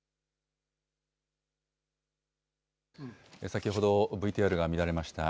先ほど、ＶＴＲが乱れました。